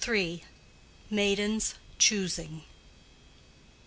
—MAIDENS CHOOSING.